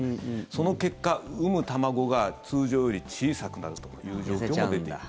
その結果、産む卵が通常より小さくなるという状況も出ている。